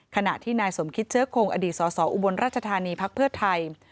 ขณะที่นายสมคิตเชื้อคงอดีตสออุบลราชธานีพักเพื่อไทย